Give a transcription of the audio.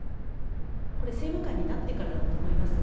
これ、政務官になってからだと思いますが、